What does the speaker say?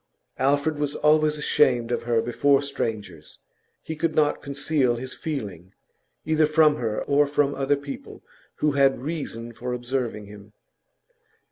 Alfred was always ashamed of her before strangers; he could not conceal his feeling, either from her or from other people who had reason for observing him.